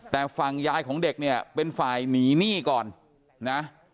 แต่ฝั่งยายของเด็กเนี่ยเป็นฝ่ายหนีหนี้ก่อนนะ